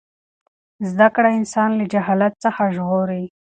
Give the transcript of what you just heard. زده کړه انسان له جهالت څخه ژغوري.